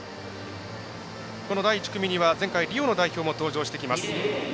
この第１組には前回リオの代表も登場してきます。